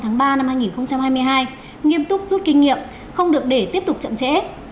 ngày ba hai nghìn hai mươi hai nghiêm túc rút kinh nghiệm không được để tiếp tục chậm trễ